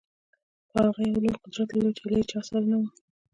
خو هغه یو لوی قدرت درلود چې له هېچا سره نه و